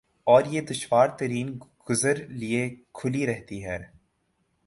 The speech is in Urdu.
اور یہ دشوار ترین گزر لئے کھلی رہتی ہے ۔